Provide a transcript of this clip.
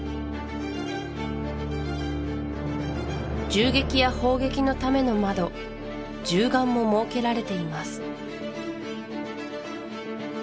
銃撃や砲撃のための窓銃眼も設けられています